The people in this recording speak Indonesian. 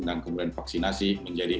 dan kemudian vaksinasi menjadi